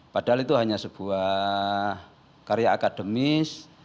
padahal itu hanya sebuah karya akademis